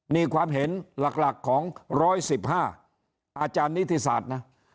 นี่ความเห็นหลักของ๑๑๕อาจารย์นิติศาสตร์นะ